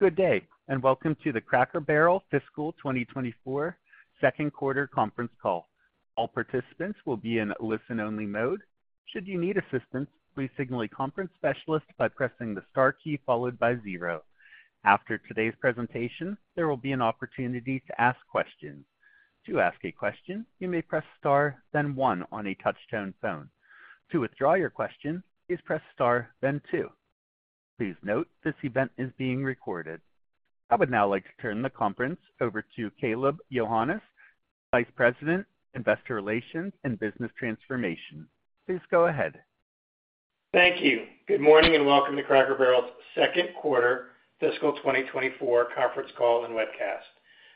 Good day and welcome to the Cracker Barrel Fiscal 2024 second quarter conference call. All participants will be in listen-only mode. Should you need assistance, please signal a conference specialist by pressing the star key followed by 0. After today's presentation, there will be an opportunity to ask questions. To ask a question, you may press star, then 1 on a touch-tone phone. To withdraw your question, please press star, then 2. Please note this event is being recorded. I would now like to turn the conference over to Kaleb Johannes, Vice President, Investor Relations and Business Transformation. Please go ahead. Thank you. Good morning and welcome to Cracker Barrel's second quarter fiscal 2024 conference call and webcast.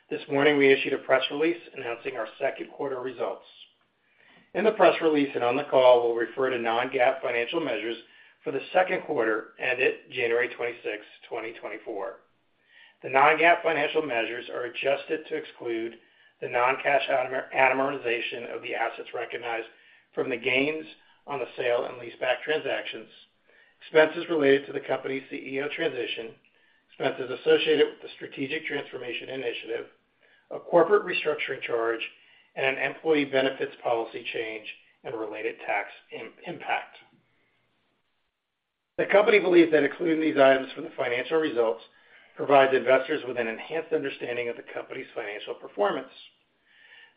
This morning we issued a press release announcing our second quarter results. In the press release and on the call, we'll refer to non-GAAP financial measures for the second quarter ended January 26, 2024. The non-GAAP financial measures are adjusted to exclude the non-cash amortization of the assets recognized from the gains on the sale and leaseback transactions, expenses related to the company's CEO transition, expenses associated with the Strategic Transformation Initiative, a corporate restructuring charge, and an employee benefits policy change and related tax impact. The company believes that including these items for the financial results provides investors with an enhanced understanding of the company's financial performance.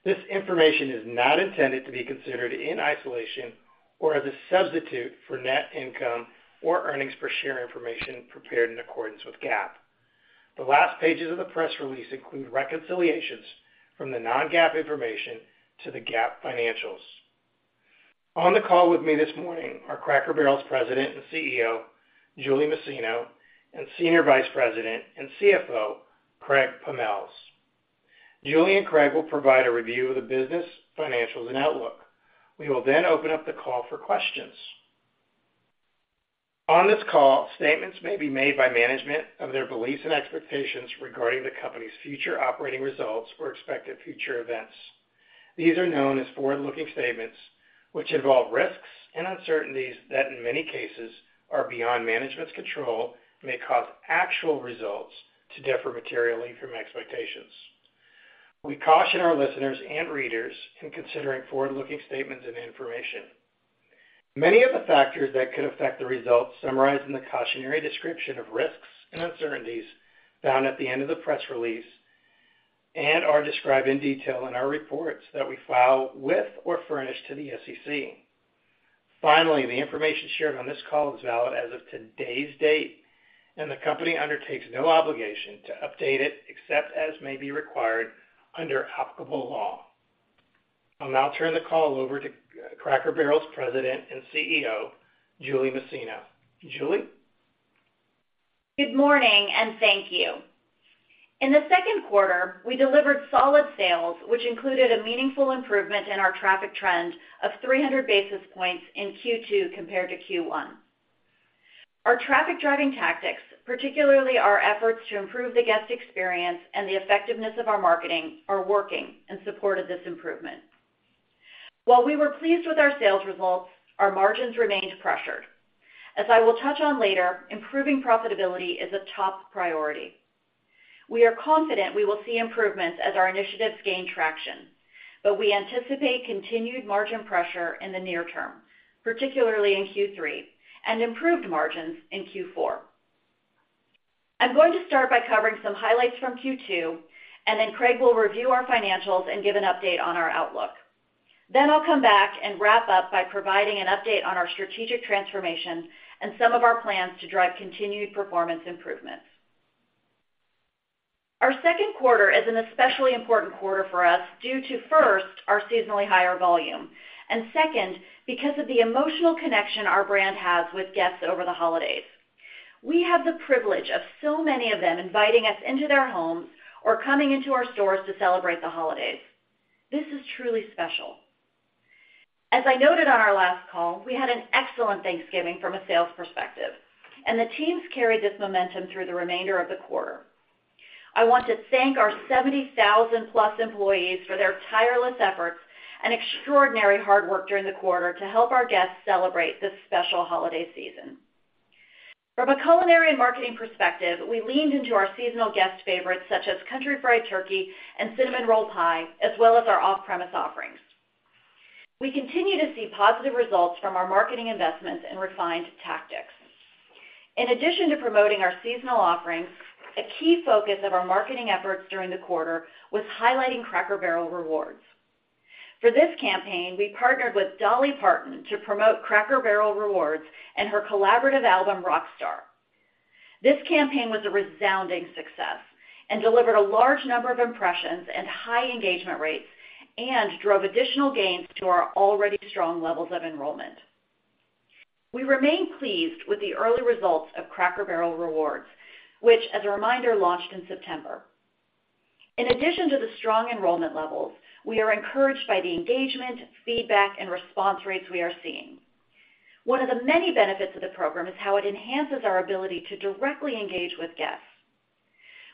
This information is not intended to be considered in isolation or as a substitute for net income or earnings per share information prepared in accordance with GAAP. The last pages of the press release include reconciliations from the non-GAAP information to the GAAP financials. On the call with me this morning are Cracker Barrel's President and CEO, Julie Masino, and Senior Vice President and CFO, Craig Pommells. Julie and Craig will provide a review of the business, financials, and outlook. We will then open up the call for questions. On this call, statements may be made by management of their beliefs and expectations regarding the company's future operating results or expected future events. These are known as forward-looking statements, which involve risks and uncertainties that, in many cases, are beyond management's control and may cause actual results to differ materially from expectations. We caution our listeners and readers in considering forward-looking statements and information. Many of the factors that could affect the results summarized in the cautionary description of risks and uncertainties found at the end of the press release are described in detail in our reports that we file with or furnish to the SEC. Finally, the information shared on this call is valid as of today's date, and the company undertakes no obligation to update it except as may be required under applicable law. I'll now turn the call over to Cracker Barrel's President and CEO, Julie Masino. Julie? Good morning and thank you. In the second quarter, we delivered solid sales, which included a meaningful improvement in our traffic trend of 300 basis points in Q2 compared to Q1. Our traffic-driving tactics, particularly our efforts to improve the guest experience and the effectiveness of our marketing, are working and supported this improvement. While we were pleased with our sales results, our margins remained pressured. As I will touch on later, improving profitability is a top priority. We are confident we will see improvements as our initiatives gain traction, but we anticipate continued margin pressure in the near term, particularly in Q3, and improved margins in Q4. I'm going to start by covering some highlights from Q2, and then Craig will review our financials and give an update on our outlook. Then I'll come back and wrap up by providing an update on our Strategic Transformation and some of our plans to drive continued performance improvements. Our second quarter is an especially important quarter for us due to, first, our seasonally higher volume, and second, because of the emotional connection our brand has with guests over the holidays. We have the privilege of so many of them inviting us into their homes or coming into our stores to celebrate the holidays. This is truly special. As I noted on our last call, we had an excellent Thanksgiving from a sales perspective, and the teams carried this momentum through the remainder of the quarter. I want to thank our 70,000-plus employees for their tireless efforts and extraordinary hard work during the quarter to help our guests celebrate this special holiday season. From a culinary and marketing perspective, we leaned into our seasonal guest favorites such as Country Fried Turkey and Cinnamon Roll Pie, as well as our off-premise offerings. We continue to see positive results from our marketing investments and refined tactics. In addition to promoting our seasonal offerings, a key focus of our marketing efforts during the quarter was highlighting Cracker Barrel Rewards. For this campaign, we partnered with Dolly Parton to promote Cracker Barrel Rewards and her collaborative album, Rockstar. This campaign was a resounding success and delivered a large number of impressions and high engagement rates, and drove additional gains to our already strong levels of enrollment. We remain pleased with the early results of Cracker Barrel Rewards, which, as a reminder, launched in September. In addition to the strong enrollment levels, we are encouraged by the engagement, feedback, and response rates we are seeing. One of the many benefits of the program is how it enhances our ability to directly engage with guests.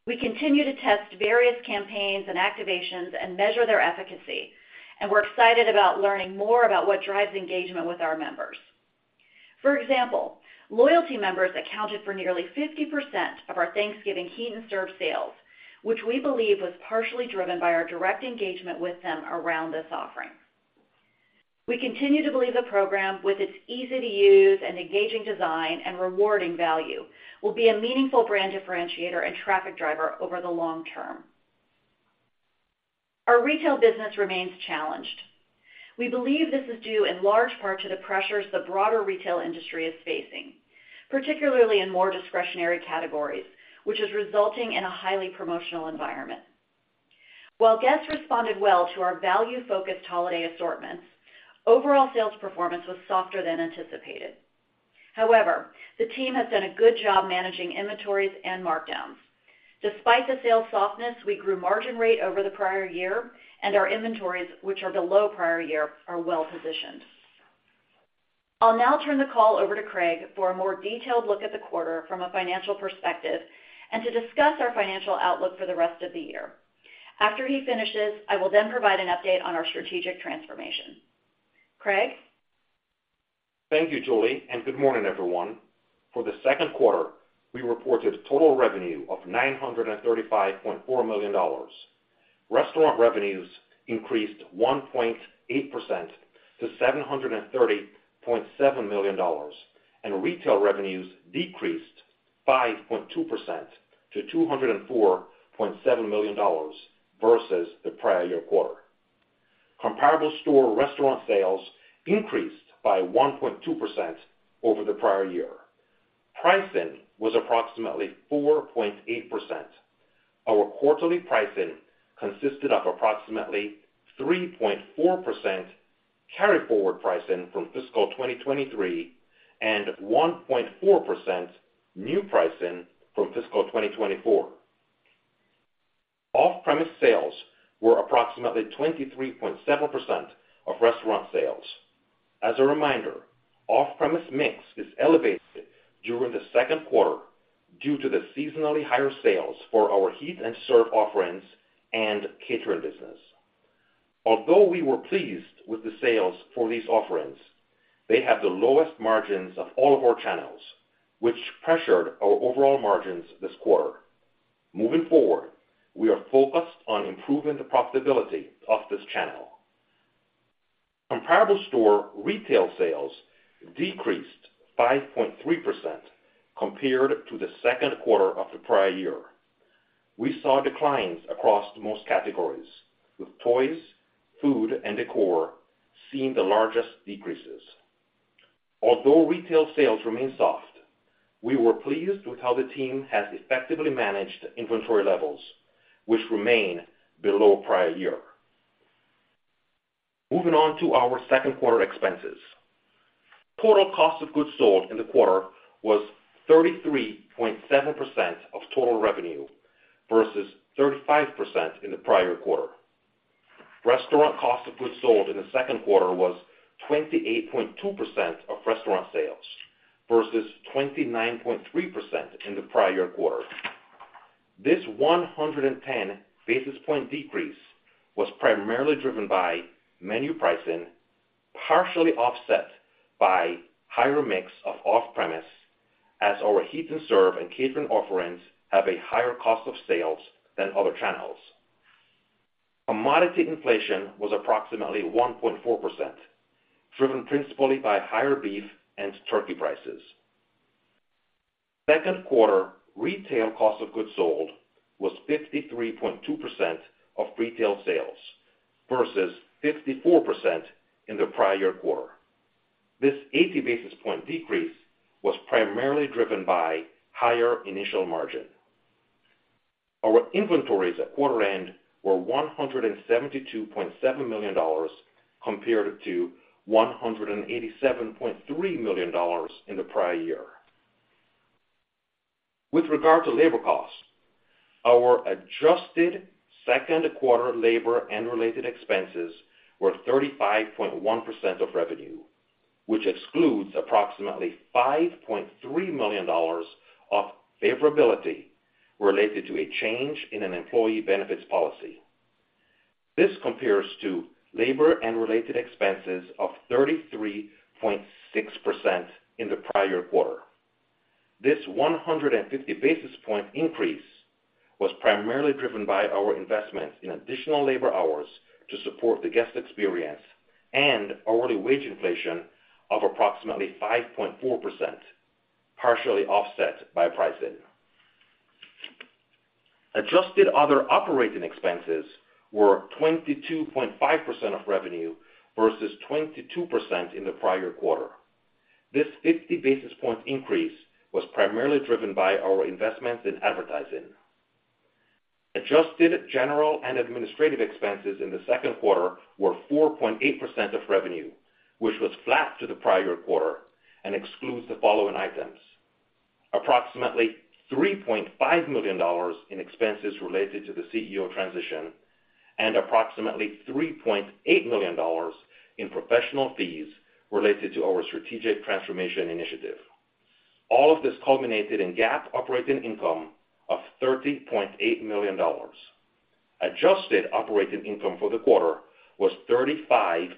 We continue to test various campaigns and activations and measure their efficacy, and we're excited about learning more about what drives engagement with our members. For example, loyalty members accounted for nearly 50% of our Thanksgiving Heat n' Serve sales, which we believe was partially driven by our direct engagement with them around this offering. We continue to believe the program, with its easy-to-use and engaging design and rewarding value, will be a meaningful brand differentiator and traffic driver over the long term. Our retail business remains challenged. We believe this is due in large part to the pressures the broader retail industry is facing, particularly in more discretionary categories, which is resulting in a highly promotional environment. While guests responded well to our value-focused holiday assortments, overall sales performance was softer than anticipated. However, the team has done a good job managing inventories and markdowns. Despite the sales softness, we grew margin rate over the prior year, and our inventories, which are below prior year, are well positioned. I'll now turn the call over to Craig for a more detailed look at the quarter from a financial perspective and to discuss our financial outlook for the rest of the year. After he finishes, I will then provide an update on our Strategic Transformation. Craig? Thank you, Julie, and good morning, everyone. For the second quarter, we reported total revenue of $935.4 million. Restaurant revenues increased 1.8% to $730.7 million, and retail revenues decreased 5.2% to $204.7 million versus the prior year quarter. Comparable store restaurant sales increased by 1.2% over the prior year. Pricing was approximately 4.8%. Our quarterly pricing consisted of approximately 3.4% carry-forward pricing from Fiscal 2023 and 1.4% new pricing from Fiscal 2024. Off-premise sales were approximately 23.7% of restaurant sales. As a reminder, off-premise mix is elevated during the second quarter due to the seasonally higher sales for our Heat n' Serve salesofferings and catering business. Although we were pleased with the sales for these offerings, they have the lowest margins of all of our channels, which pressured our overall margins this quarter. Moving forward, we are focused on improving the profitability of this channel. Comparable store retail sales decreased 5.3% compared to the second quarter of the prior year. We saw declines across most categories, with toys, food, and decor seeing the largest decreases. Although retail sales remain soft, we were pleased with how the team has effectively managed inventory levels, which remain below prior year. Moving on to our second quarter expenses. Total cost of goods sold in the quarter was 33.7% of total revenue versus 35% in the prior quarter. Restaurant cost of goods sold in the second quarter was 28.2% of restaurant sales versus 29.3% in the prior year quarter. This 110 basis point decrease was primarily driven by menu pricing, partially offset by higher mix of off-premise, as ourHeat n' Serve sales and catering offerings have a higher cost of sales than other channels. Commodity inflation was approximately 1.4%, driven principally by higher beef and turkey prices. Second quarter retail cost of goods sold was 53.2% of retail sales versus 54% in the prior year quarter. This 80 basis points decrease was primarily driven by higher initial margin. Our inventories at quarter end were $172.7 million compared to $187.3 million in the prior year. With regard to labor costs, our adjusted second quarter labor and related expenses were 35.1% of revenue, which excludes approximately $5.3 million of favorability related to a change in an employee benefits policy. This compares to labor and related expenses of 33.6% in the prior year quarter. This 150 basis points increase was primarily driven by our investments in additional labor hours to support the guest experience and hourly wage inflation of approximately 5.4%, partially offset by pricing. Adjusted other operating expenses were 22.5% of revenue versus 22% in the prior year quarter. This 50 basis point increase was primarily driven by our investments in advertising. Adjusted general and administrative expenses in the second quarter were 4.8% of revenue, which was flat to the prior year quarter and excludes the following items: approximately $3.5 million in expenses related to the CEO transition and approximately $3.8 million in professional fees related to our Strategic Transformation initiative. All of this culminated in GAAP operating income of $30.8 million. Adjusted operating income for the quarter was $35.9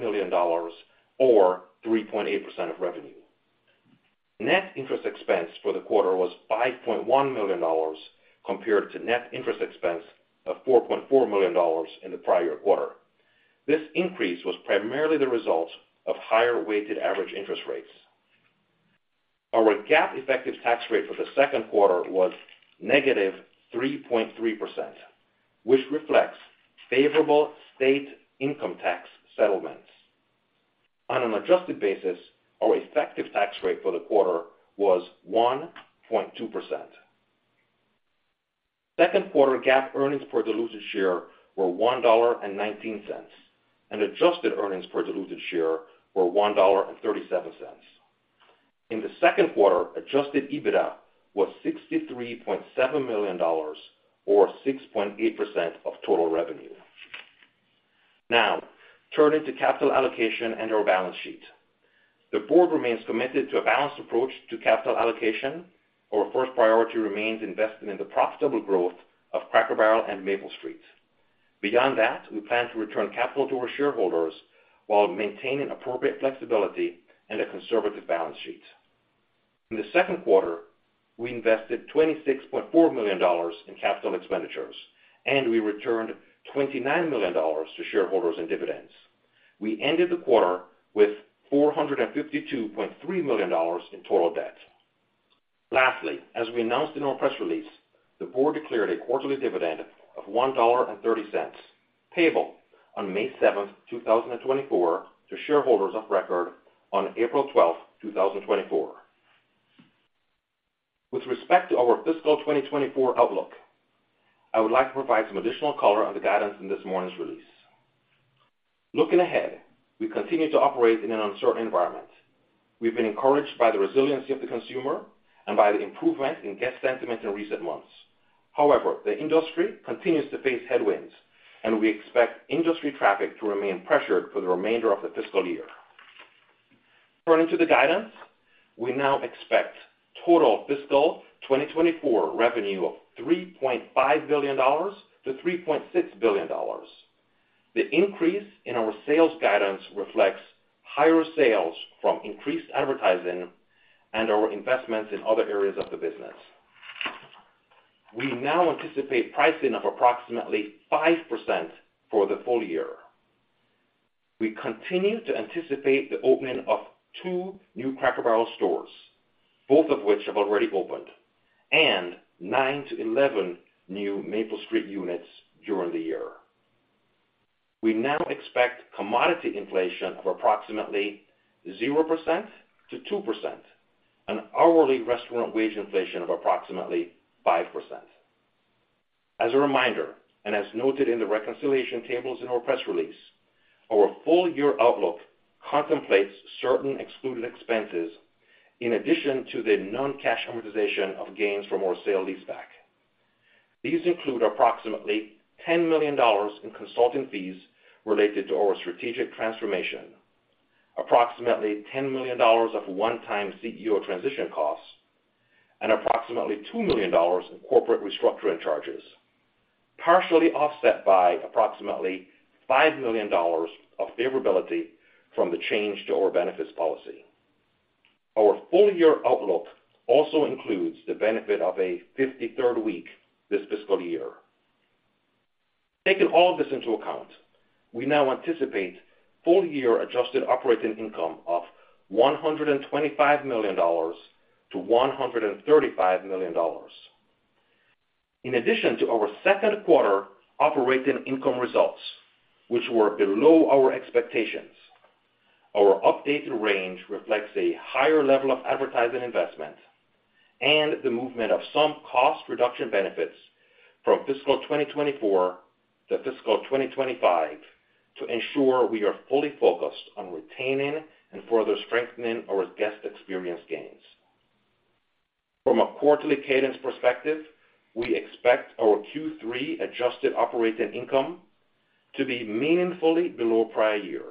million or 3.8% of revenue. Net interest expense for the quarter was $5.1 million compared to net interest expense of $4.4 million in the prior year quarter. This increase was primarily the result of higher weighted average interest rates. Our GAAP effective tax rate for the second quarter was negative 3.3%, which reflects favorable state income tax settlements. On an adjusted basis, our effective tax rate for the quarter was 1.2%. Second quarter GAAP earnings per diluted share were $1.19, and adjusted earnings per diluted share were $1.37. In the second quarter, Adjusted EBITDA was $63.7 million or 6.8% of total revenue. Now, turn into capital allocation and our balance sheet. The board remains committed to a balanced approach to capital allocation. Our first priority remains investing in the profitable growth of Cracker Barrel and Maple Street. Beyond that, we plan to return capital to our shareholders while maintaining appropriate flexibility and a conservative balance sheet. In the second quarter, we invested $26.4 million in capital expenditures, and we returned $29 million to shareholders in dividends. We ended the quarter with $452.3 million in total debt. Lastly, as we announced in our press release, the board declared a quarterly dividend of $1.30 payable on May 7th, 2024, to shareholders of record on April 12th, 2024. With respect to our Fiscal 2024 outlook, I would like to provide some additional color on the guidance in this morning's release. Looking ahead, we continue to operate in an uncertain environment. We've been encouraged by the resiliency of the consumer and by the improvement in guest sentiment in recent months. However, the industry continues to face headwinds, and we expect industry traffic to remain pressured for the remainder of the fiscal year. Turning to the guidance, we now expect total Fiscal 2024 revenue of $3.5 billion-$3.6 billion. The increase in our sales guidance reflects higher sales from increased advertising and our investments in other areas of the business. We now anticipate pricing of approximately 5% for the full year. We continue to anticipate the opening of 2 new Cracker Barrel stores, both of which have already opened, and 9-11 new Maple Street units during the year. We now expect commodity inflation of approximately 0%-2% and hourly restaurant wage inflation of approximately 5%. As a reminder, and as noted in the reconciliation tables in our press release, our full year outlook contemplates certain excluded expenses in addition to the non-cash amortization of gains from our sale-leaseback. These include approximately $10 million in consulting fees related to our Strategic Transformation, approximately $10 million of one-time CEO transition costs, and approximately $2 million in corporate restructuring charges, partially offset by approximately $5 million of favorability from the change to our benefits policy. Our full year outlook also includes the benefit of a 53rd week this fiscal year. Taking all of this into account, we now anticipate full year adjusted operating income of $125 million-$135 million. In addition to our second quarter operating income results, which were below our expectations, our updated range reflects a higher level of advertising investment and the movement of some cost reduction benefits from Fiscal 2024 to Fiscal 2025 to ensure we are fully focused on retaining and further strengthening our guest experience gains. From a quarterly cadence perspective, we expect our Q3 adjusted operating income to be meaningfully below prior year,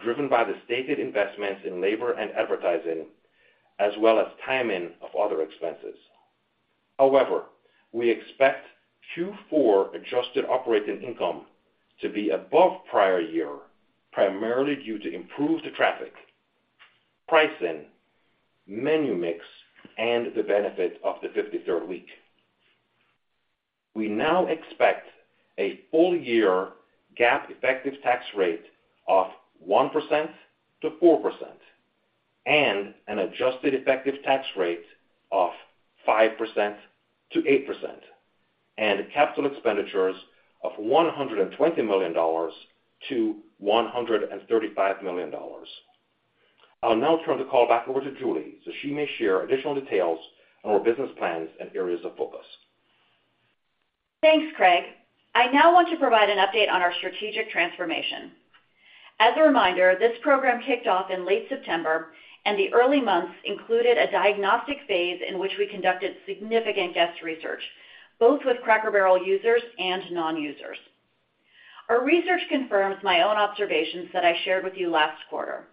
driven by the stated investments in labor and advertising as well as timing of other expenses. However, we expect Q4 adjusted operating income to be above prior year primarily due to improved traffic, pricing, menu mix, and the benefit of the 53rd week. We now expect a full year GAAP effective tax rate of 1%-4% and an adjusted effective tax rate of 5%-8% and capital expenditures of $120 million-$135 million. I'll now turn the call back over to Julie so she may share additional details on our business plans and areas of focus. Thanks, Craig. I now want to provide an update on our Strategic Transformation. As a reminder, this program kicked off in late September, and the early months included a diagnostic phase in which we conducted significant guest research, both with Cracker Barrel users and non-users. Our research confirms my own observations that I shared with you last quarter.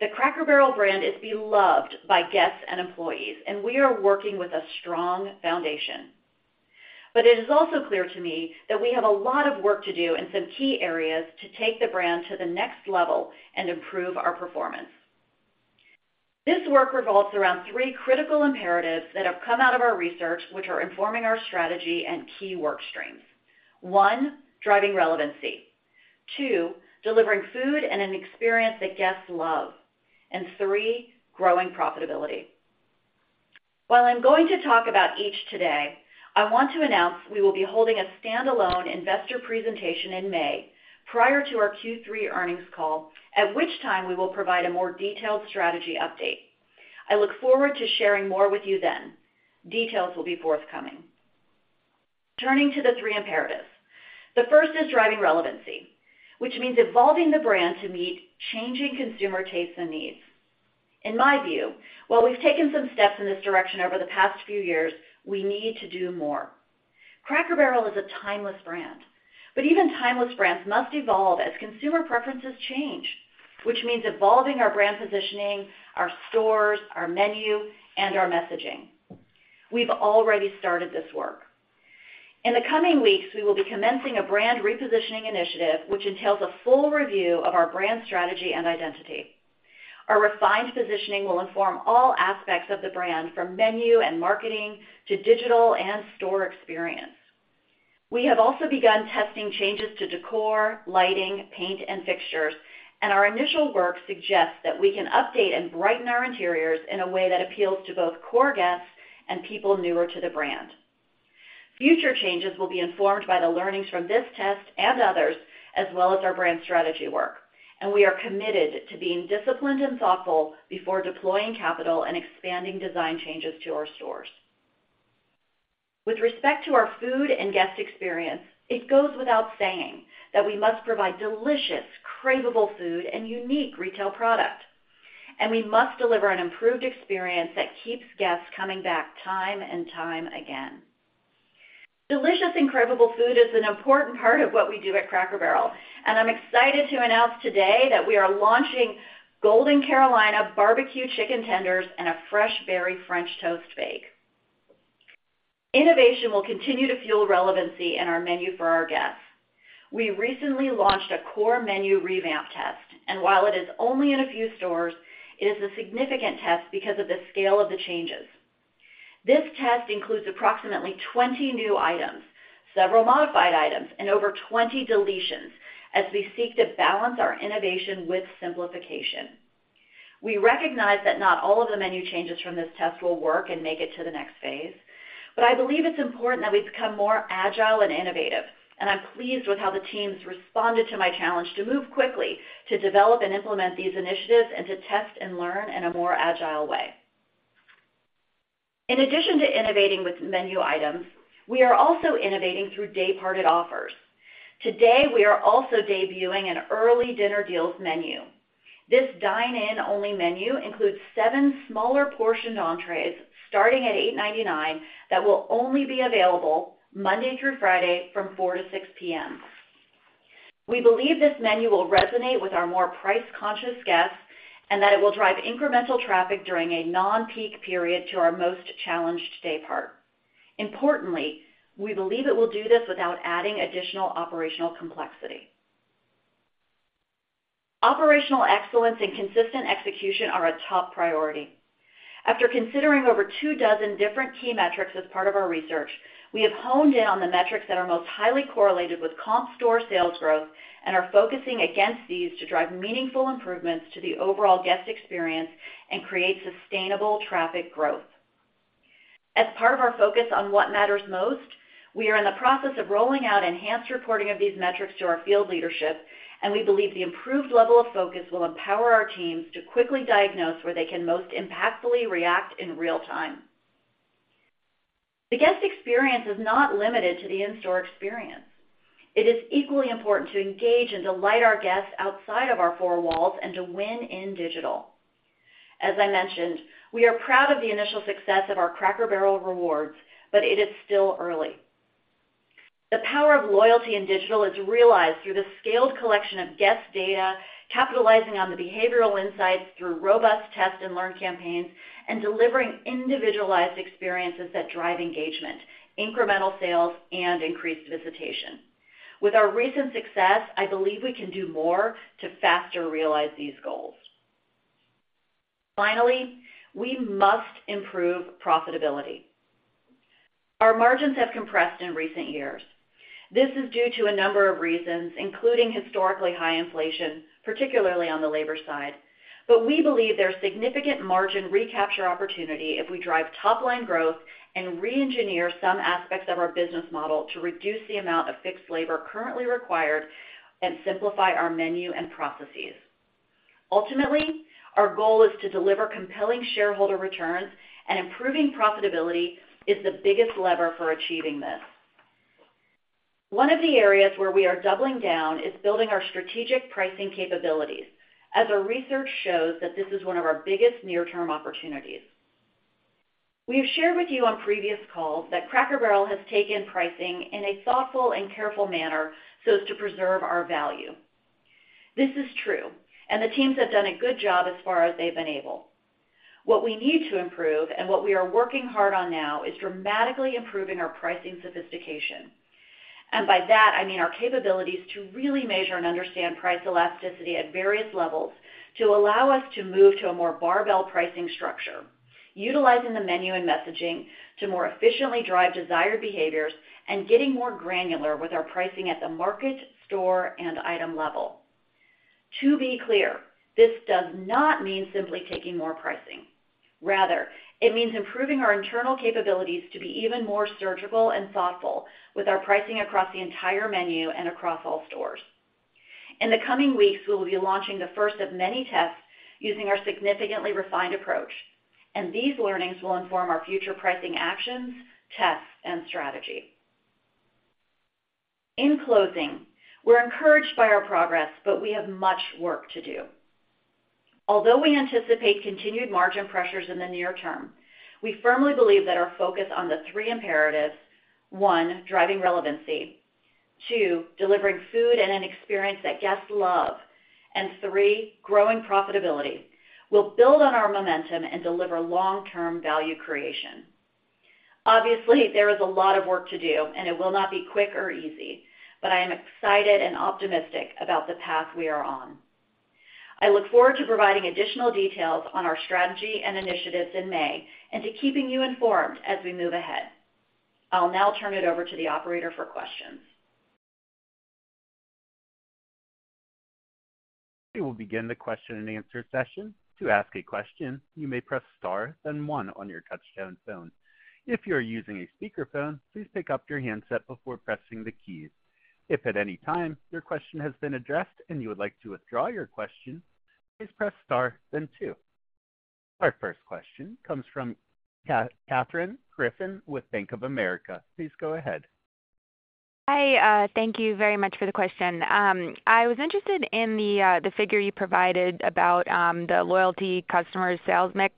The Cracker Barrel brand is beloved by guests and employees, and we are working with a strong foundation. But it is also clear to me that we have a lot of work to do in some key areas to take the brand to the next level and improve our performance. This work revolves around 3 critical imperatives that have come out of our research, which are informing our strategy and key work streams: 1. Driving relevancy; 2. Delivering food and an experience that guests love; and 3. Growing profitability. While I'm going to talk about each today, I want to announce we will be holding a standalone investor presentation in May prior to our Q3 earnings call, at which time we will provide a more detailed strategy update. I look forward to sharing more with you then. Details will be forthcoming. Turning to the 3 imperatives. The first is driving relevancy, which means evolving the brand to meet changing consumer tastes and needs. In my view, while we've taken some steps in this direction over the past few years, we need to do more. Cracker Barrel is a timeless brand, but even timeless brands must evolve as consumer preferences change, which means evolving our brand positioning, our stores, our menu, and our messaging. We've already started this work. In the coming weeks, we will be commencing a brand repositioning initiative, which entails a full review of our brand strategy and identity. Our refined positioning will inform all aspects of the brand, from menu and marketing to digital and store experience. We have also begun testing changes to decor, lighting, paint, and fixtures, and our initial work suggests that we can update and brighten our interiors in a way that appeals to both core guests and people newer to the brand. Future changes will be informed by the learnings from this test and others, as well as our brand strategy work, and we are committed to being disciplined and thoughtful before deploying capital and expanding design changes to our stores. With respect to our food and guest experience, it goes without saying that we must provide delicious, craveable food and unique retail product, and we must deliver an improved experience that keeps guests coming back time and time again. Delicious and craveable food is an important part of what we do at Cracker Barrel, and I'm excited to announce today that we are launching Golden Carolina BBQ Chicken Tenders and a Fresh Berry French Toast Bake. Innovation will continue to fuel relevancy in our menu for our guests. We recently launched a core menu revamp test, and while it is only in a few stores, it is a significant test because of the scale of the changes. This test includes approximately 20 new items, several modified items, and over 20 deletions as we seek to balance our innovation with simplification. We recognize that not all of the menu changes from this test will work and make it to the next phase, but I believe it's important that we become more agile and innovative, and I'm pleased with how the teams responded to my challenge to move quickly to develop and implement these initiatives and to test and learn in a more agile way. In addition to innovating with menu items, we are also innovating through day-parted offers. Today, we are also debuting an Early Dinner Deals menu. This dine-in-only menu includes 7 smaller portioned entrées starting at $8.99 that will only be available Monday through Friday from 4:00 P.M. to 6:00 P.M. We believe this menu will resonate with our more price-conscious guests and that it will drive incremental traffic during a non-peak period to our most challenged day part. Importantly, we believe it will do this without adding additional operational complexity. Operational excellence and consistent execution are a top priority. After considering over 24 different key metrics as part of our research, we have honed in on the metrics that are most highly correlated with comp store sales growth and are focusing against these to drive meaningful improvements to the overall guest experience and create sustainable traffic growth. As part of our focus on what matters most, we are in the process of rolling out enhanced reporting of these metrics to our field leadership, and we believe the improved level of focus will empower our teams to quickly diagnose where they can most impactfully react in real time. The guest experience is not limited to the in-store experience. It is equally important to engage and delight our guests outside of our 4 walls and to win in digital. As I mentioned, we are proud of the initial success of our Cracker Barrel Rewards, but it is still early. The power of loyalty in digital is realized through the scaled collection of guest data, capitalizing on the behavioral insights through robust test and learn campaigns, and delivering individualized experiences that drive engagement, incremental sales, and increased visitation. With our recent success, I believe we can do more to faster realize these goals. Finally, we must improve profitability. Our margins have compressed in recent years. This is due to a number of reasons, including historically high inflation, particularly on the labor side, but we believe there's significant margin recapture opportunity if we drive top-line growth and re-engineer some aspects of our business model to reduce the amount of fixed labor currently required and simplify our menu and processes. Ultimately, our goal is to deliver compelling shareholder returns, and improving profitability is the biggest lever for achieving this. One of the areas where we are doubling down is building our strategic pricing capabilities, as our research shows that this is one of our biggest near-term opportunities. We have shared with you on previous calls that Cracker Barrel has taken pricing in a thoughtful and careful manner so as to preserve our value. This is true, and the teams have done a good job as far as they've been able. What we need to improve and what we are working hard on now is dramatically improving our pricing sophistication. And by that, I mean our capabilities to really measure and understand price elasticity at various levels to allow us to move to a more barbell pricing structure, utilizing the menu and messaging to more efficiently drive desired behaviors, and getting more granular with our pricing at the market, store, and item level. To be clear, this does not mean simply taking more pricing. Rather, it means improving our internal capabilities to be even more surgical and thoughtful with our pricing across the entire menu and across all stores. In the coming weeks, we will be launching the first of many tests using our significantly refined approach, and these learnings will inform our future pricing actions, tests, and strategy. In closing, we're encouraged by our progress, but we have much work to do. Although we anticipate continued margin pressures in the near term, we firmly believe that our focus on the 3 imperatives (1. Driving relevancy, 2. Delivering food and an experience that guests love, and 3. Growing profitability) will build on our momentum and deliver long-term value creation. Obviously, there is a lot of work to do, and it will not be quick or easy, but I am excited and optimistic about the path we are on. I look forward to providing additional details on our strategy and initiatives in May and to keeping you informed as we move ahead. I'll now turn it over to the operator for questions. We will begin the question-and-answer session. To ask a question, you may press * then 1 on your touch-tone phone. If you are using a speakerphone, please pick up your handset before pressing the keys. If at any time your question has been addressed and you would like to withdraw your question, please press * then 2. Our first question comes from Katherine Griffin with Bank of America. Please go ahead. Hi. Thank you very much for the question. I was interested in the figure you provided about the loyalty customer sales mix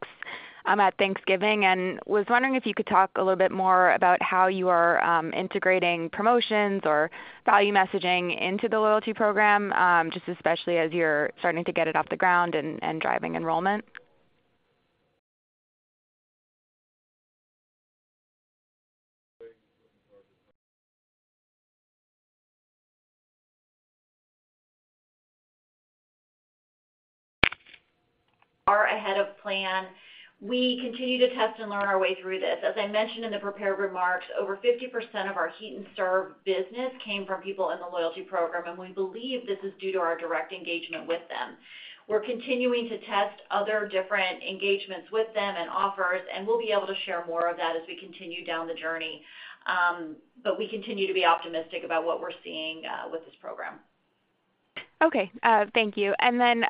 at Thanksgiving and was wondering if you could talk a little bit more about how you are integrating promotions or value messaging into the loyalty program, just especially as you're starting to get it off the ground and driving enrollment. Are ahead of plan. We continue to test and learn our way through this. As I mentioned in the prepared remarks, over 50% of our Heat n' Serve salesbusiness came from people in the loyalty program, and we believe this is due to our direct engagement with them. We're continuing to test other different engagements with them and offers, and we'll be able to share more of that as we continue down the journey. But we continue to be optimistic about what we're seeing with this program. Okay. Thank you. And then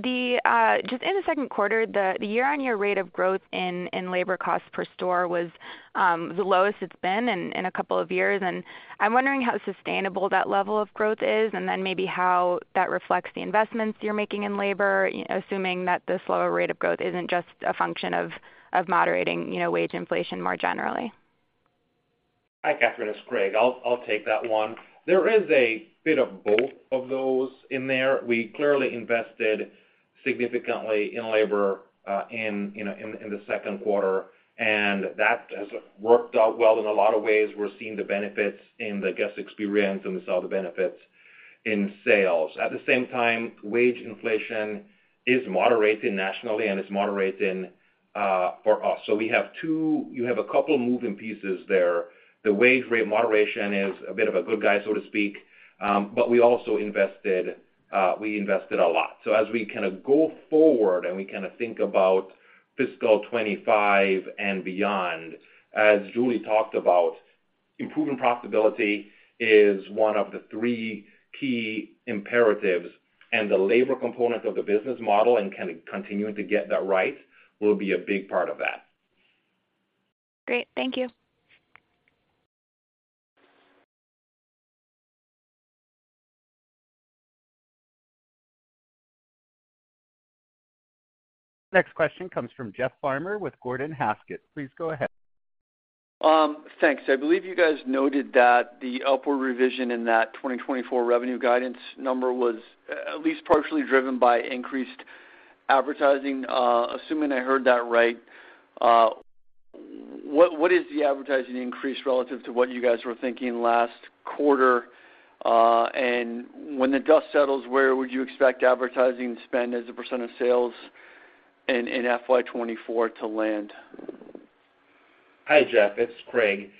just in the second quarter, the year-on-year rate of growth in labor costs per store was the lowest it's been in a couple of years. And I'm wondering how sustainable that level of growth is and then maybe how that reflects the investments you're making in labor, assuming that the slower rate of growth isn't just a function of moderating wage inflation more generally? Hi, Katherine. It's Craig. I'll take that one. There is a bit of both of those in there. We clearly invested significantly in labor in the second quarter, and that has worked out well in a lot of ways. We're seeing the benefits in the guest experience, and we saw the benefits in sales. At the same time, wage inflation is moderating nationally, and it's moderating for us. So you have a couple of moving pieces there. The wage rate moderation is a bit of a good guy, so to speak, but we also invested a lot. So as we kind of go forward and we kind of think about fiscal 2025 and beyond, as Julie talked about, improving profitability is one of the 3 key imperatives, and the labor component of the business model and kind of continuing to get that right will be a big part of that. Great. Thank you. Next question comes from Jeff Farmer with Gordon Haskett. Please go ahead. Thanks. I believe you guys noted that the upward revision in that 2024 revenue guidance number was at least partially driven by increased advertising, assuming I heard that right. What is the advertising increase relative to what you guys were thinking last quarter? And when the dust settles, where would you expect advertising to spend as a % of sales in FY 2024 to land? Hi, Jeff. It's Craig.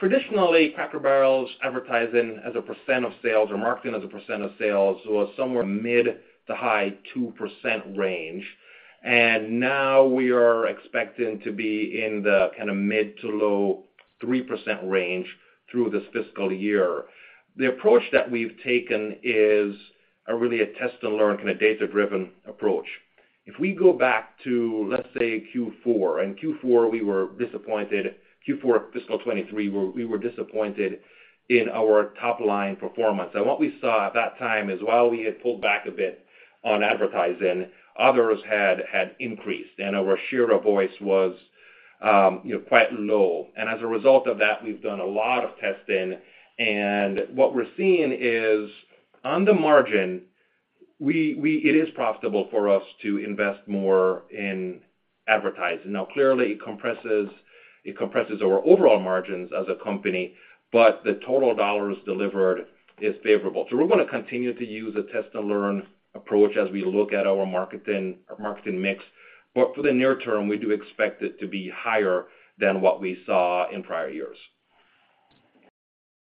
Traditionally, Cracker Barrel's advertising as a percent of sales or marketing as a percent of sales was somewhere in the mid- to high-2% range, and now we are expecting to be in the kind of mid- to low-3% range through this fiscal year. The approach that we've taken is really a test-and-learn, kind of data-driven approach. If we go back to, let's say, Q4, we were disappointed. Q4 of fiscal 2023, we were disappointed in our top-line performance. And what we saw at that time is while we had pulled back a bit on advertising, others had increased, and our share of voice was quite low. And as a result of that, we've done a lot of testing, and what we're seeing is on the margin, it is profitable for us to invest more in advertising. Now, clearly, it compresses our overall margins as a company, but the total dollars delivered is favorable. So we're going to continue to use a test-and-learn approach as we look at our marketing mix, but for the near term, we do expect it to be higher than what we saw in prior years.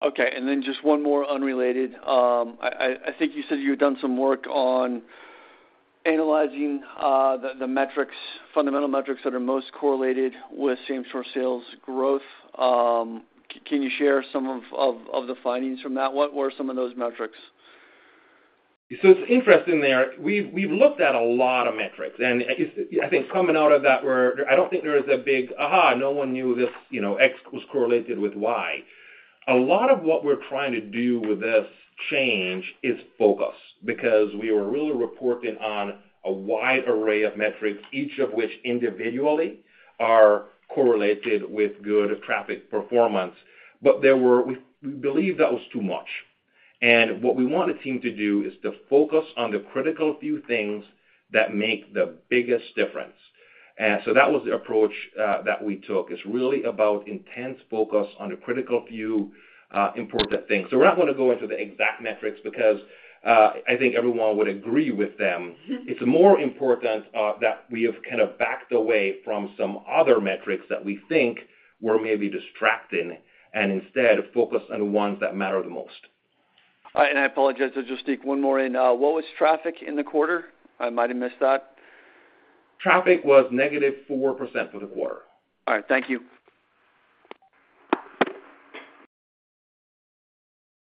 Okay. And then just one more unrelated. I think you said you had done some work on analyzing the fundamental metrics that are most correlated with same-store sales growth. Can you share some of the findings from that? What were some of those metrics? So it's interesting there. We've looked at a lot of metrics, and I think coming out of that, I don't think there is a big aha. No one knew this X was correlated with Y. A lot of what we're trying to do with this change is focus because we were really reporting on a wide array of metrics, each of which individually are correlated with good traffic performance. But we believe that was too much. And what we want the team to do is to focus on the critical few things that make the biggest difference. So that was the approach that we took. It's really about intense focus on the critical few important things. So we're not going to go into the exact metrics because I think everyone would agree with them. It's more important that we have kind of backed away from some other metrics that we think were maybe distracting and instead focused on the ones that matter the most. All right. I apologize. Just one more in. What was traffic in the quarter? I might have missed that. Traffic was -4% for the quarter. All right. Thank you.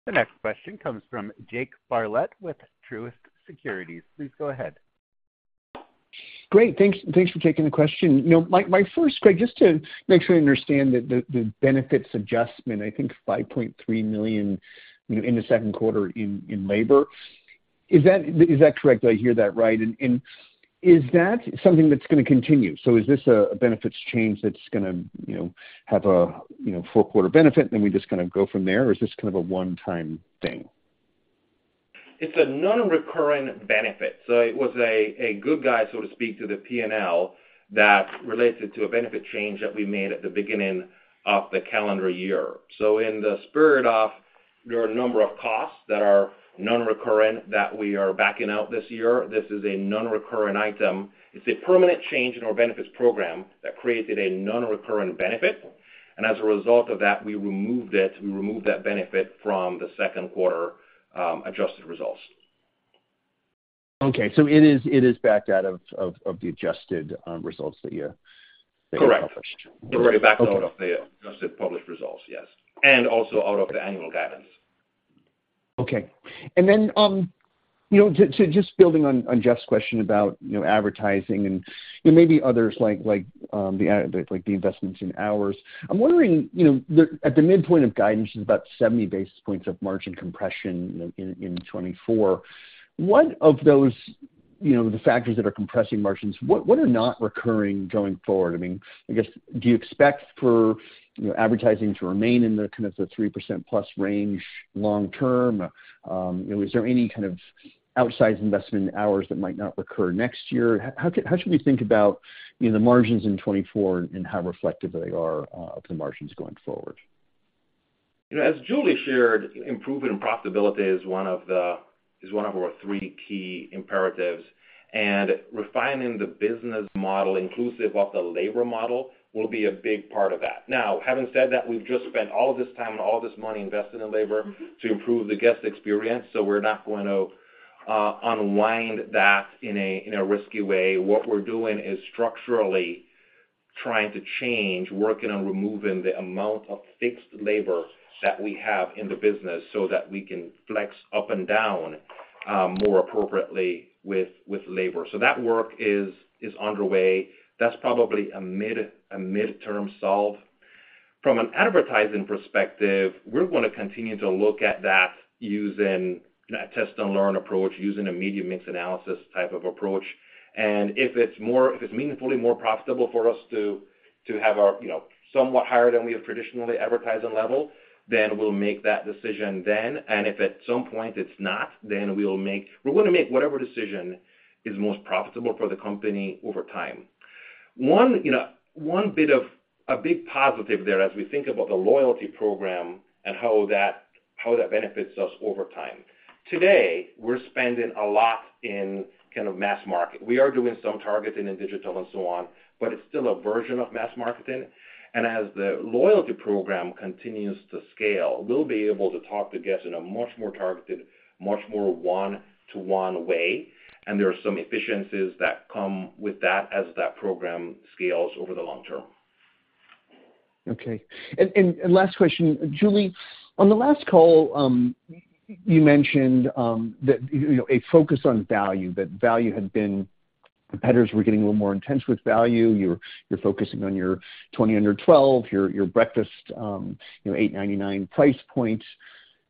The next question comes from Jake Bartlett with Truist Securities. Please go ahead. Great. Thanks for taking the question. My first, Craig, just to make sure I understand the benefits adjustment, I think $5.3 million in the second quarter in labor. Is that correct? Did I hear that right? And is that something that's going to continue? So is this a benefits change that's going to have a four-quarter benefit, and then we just kind of go from there, or is this kind of a one-time thing? It's a non-recurring benefit. So it was a good guy, so to speak, to the P&L that related to a benefit change that we made at the beginning of the calendar year. So in the spirit of there are a number of costs that are non-recurring that we are backing out this year. This is a non-recurring item. It's a permanent change in our benefits program that created a non-recurring benefit. And as a result of that, we removed that benefit from the second quarter adjusted results. Okay. So it is backed out of the adjusted results that you published. Correct. We're already backed out of the adjusted published results, yes, and also out of the annual guidance. Okay. And then just building on Jeff's question about advertising and maybe others like the investments in hours, I'm wondering, at the midpoint of guidance, it's about 70 basis points of margin compression in 2024. What of the factors that are compressing margins, what are not recurring going forward? I mean, I guess, do you expect for advertising to remain in the kind of the 3%-plus range long-term? Is there any kind of outsized investment in hours that might not recur next year? How should we think about the margins in 2024 and how reflective they are of the margins going forward? As Julie shared, improving profitability is one of our 3 key imperatives, and refining the business model inclusive of the labor model will be a big part of that. Now, having said that, we've just spent all of this time and all of this money invested in labor to improve the guest experience, so we're not going to unwind that in a risky way. What we're doing is structurally trying to change, working on removing the amount of fixed labor that we have in the business so that we can flex up and down more appropriately with labor. So that work is underway. That's probably a midterm solve. From an advertising perspective, we're going to continue to look at that using a test-and-learn approach, using a media mix analysis type of approach. If it's meaningfully more profitable for us to have somewhat higher than we have traditionally advertised on level, then we'll make that decision then. If at some point it's not, then we're going to make whatever decision is most profitable for the company over time. One bit of a big positive there as we think about the loyalty program and how that benefits us over time. Today, we're spending a lot in kind of mass market. We are doing some targeting in digital and so on, but it's still a version of mass marketing. As the loyalty program continues to scale, we'll be able to talk to guests in a much more targeted, much more one-to-one way, and there are some efficiencies that come with that as that program scales over the long term. Okay. And last question, Julie. On the last call, you mentioned a focus on value, that value had been competitors were getting a little more intense with value. You're focusing on your 20 Under $12, your breakfast $8.99 price point.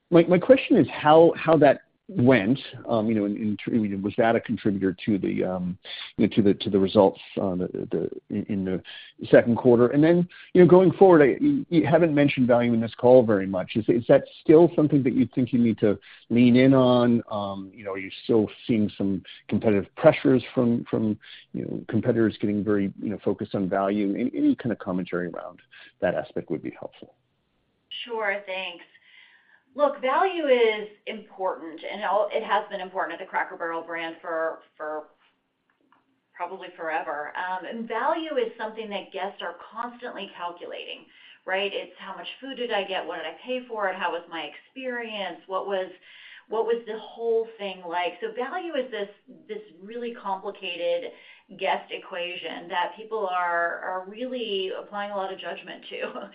My question is how that went. Was that a contributor to the results in the second quarter? And then going forward, you haven't mentioned value in this call very much. Is that still something that you think you need to lean in on? Are you still seeing some competitive pressures from competitors getting very focused on value? Any kind of commentary around that aspect would be helpful. Sure. Thanks. Look, value is important, and it has been important at the Cracker Barrel brand for probably forever. And value is something that guests are constantly calculating, right? It's how much food did I get? What did I pay for it? How was my experience? What was the whole thing like? So value is this really complicated guest equation that people are really applying a lot of judgment to.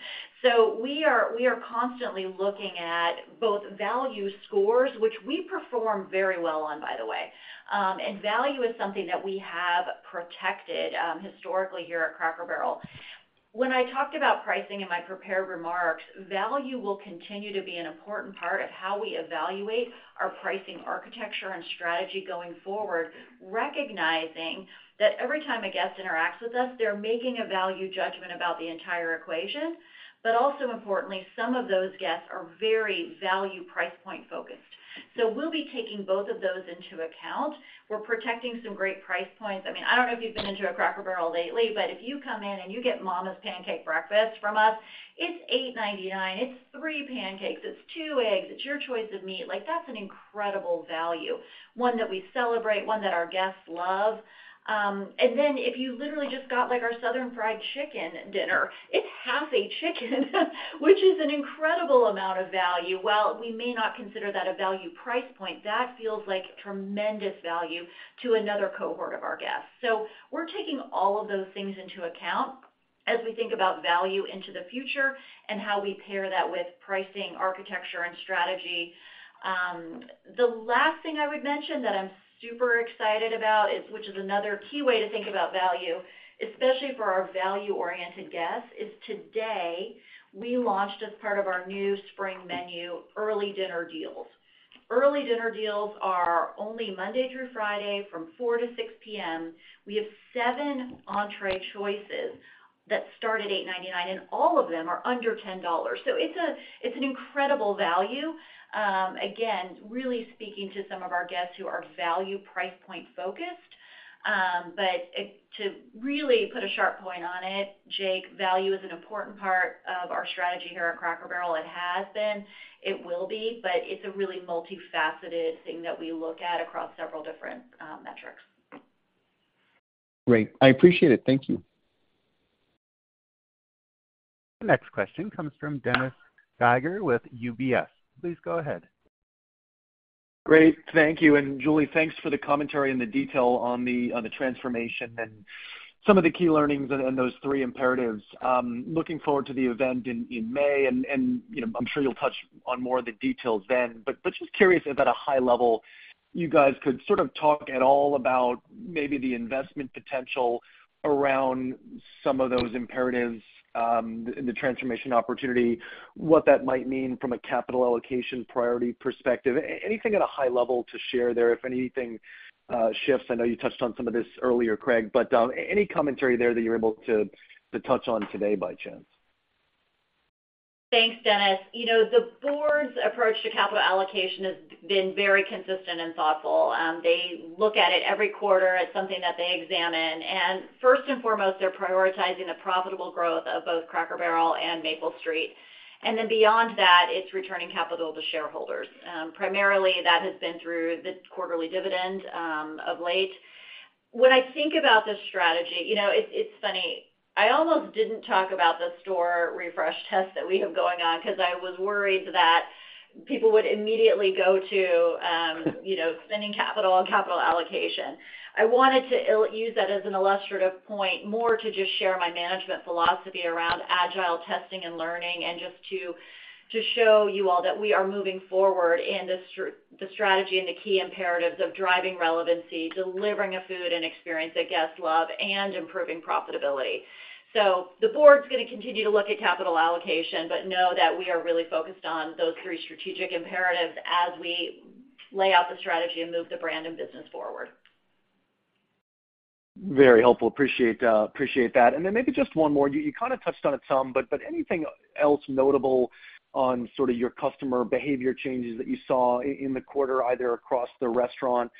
So we are constantly looking at both value scores, which we perform very well on, by the way, and value is something that we have protected historically here at Cracker Barrel. When I talked about pricing in my prepared remarks, value will continue to be an important part of how we evaluate our pricing architecture and strategy going forward, recognizing that every time a guest interacts with us, they're making a value judgment about the entire equation. But also importantly, some of those guests are very value price point focused. So we'll be taking both of those into account. We're protecting some great price points. I mean, I don't know if you've been into a Cracker Barrel lately, but if you come in and you get Momma's Pancake Breakfast from us, it's $8.99. It's 3 pancakes. It's 2 eggs. It's your choice of meat. That's an incredible value, one that we celebrate, one that our guests love. And then if you literally just got our Southern Fried Chicken dinner, it's half a chicken, which is an incredible amount of value. Well, we may not consider that a value price point. That feels like tremendous value to another cohort of our guests. So we're taking all of those things into account as we think about value into the future and how we pair that with pricing architecture and strategy. The last thing I would mention that I'm super excited about, which is another key way to think about value, especially for our value-oriented guests, is today we launched as part of our new spring menu early dinner deals. Early dinner deals are only Monday through Friday from 4:00 P.M. to 6:00 P.M. We have 7 entrée choices that start at $8.99, and all of them are under $10. So it's an incredible value. Again, really speaking to some of our guests who are value price point focused. But to really put a sharp point on it, Jake, value is an important part of our strategy here at Cracker Barrel. It has been. It will be. It's a really multifaceted thing that we look at across several different metrics. Great. I appreciate it. Thank you. The next question comes from Dennis Geiger with UBS. Please go ahead. Great. Thank you. And Julie, thanks for the commentary and the detail on the transformation and some of the key learnings and those 3 imperatives. Looking forward to the event in May, and I'm sure you'll touch on more of the details then. But just curious if at a high level, you guys could sort of talk at all about maybe the investment potential around some of those imperatives in the transformation opportunity, what that might mean from a capital allocation priority perspective. Anything at a high level to share there if anything shifts? I know you touched on some of this earlier, Craig, but any commentary there that you're able to touch on today, by chance? Thanks, Dennis. The board's approach to capital allocation has been very consistent and thoughtful. They look at it every quarter. It's something that they examine. And first and foremost, they're prioritizing the profitable growth of both Cracker Barrel and Maple Street. And then beyond that, it's returning capital to shareholders. Primarily, that has been through the quarterly dividend of late. When I think about this strategy, it's funny. I almost didn't talk about the store refresh test that we have going on because I was worried that people would immediately go to spending capital on capital allocation. I wanted to use that as an illustrative point more to just share my management philosophy around agile testing and learning and just to show you all that we are moving forward in the strategy and the key imperatives of driving relevancy, delivering a food and experience that guests love, and improving profitability. The board's going to continue to look at capital allocation, but know that we are really focused on those 3 strategic imperatives as we lay out the strategy and move the brand and business forward. Very helpful. Appreciate that. And then maybe just one more. You kind of touched on it some, but anything else notable on sort of your customer behavior changes that you saw in the quarter, either across the restaurant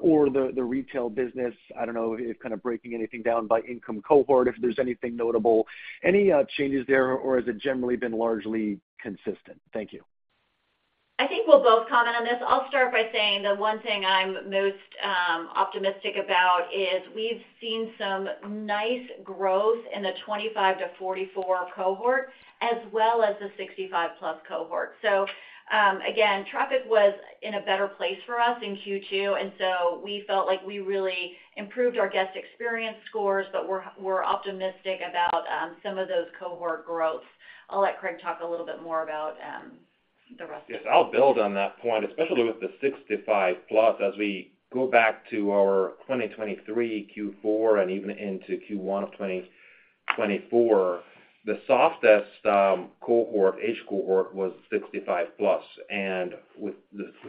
or the retail business? I don't know if kind of breaking anything down by income cohort, if there's anything notable. Any changes there, or has it generally been largely consistent? Thank you. I think we'll both comment on this. I'll start by saying the one thing I'm most optimistic about is we've seen some nice growth in the 25-44 cohort as well as the 65+ cohort. So again, traffic was in a better place for us in Q2, and so we felt like we really improved our guest experience scores, but we're optimistic about some of those cohort growths. I'll let Craig talk a little bit more about the rest of it. Yes. I'll build on that point, especially with the 65-plus. As we go back to our 2023 Q4 and even into Q1 of 2024, the softest cohort, age cohort, was 65-plus. And with